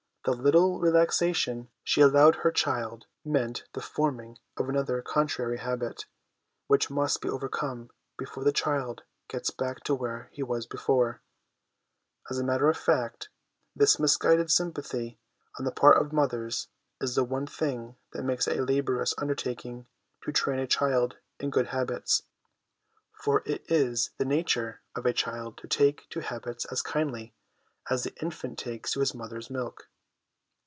The 'little relaxation ' she allowed her child meant the forming of another contrary habit, which must be overcome before the child gets back to where he was before. 122 HOME EDUCATION As a matter of fact, this misguided sympathy on the part of mothers is the one thing that makes it a laborious undertaking to train a child in good habits ; for it is the nature of the child to take to habits as kindly as the infant takes to his mother's milk.